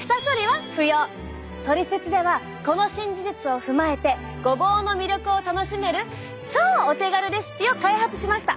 トリセツではこの新事実を踏まえてごぼうの魅力を楽しめる超お手軽レシピを開発しました！